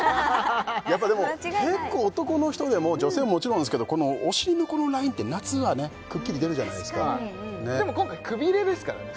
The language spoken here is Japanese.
やっぱでも結構男の人でも女性はもちろんですけどこのお尻のラインって夏はクッキリ出るじゃないすかでも今回くびれですからね